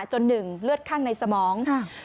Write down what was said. จน๑เลือดข้างในสมอง